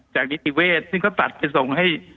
นิติเวศซึ่งเขาตัดจะส่งให้